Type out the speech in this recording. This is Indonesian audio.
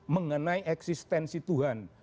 mengenai eksistensi tuhan